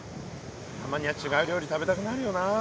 たまには違う料理食べたくなるよな。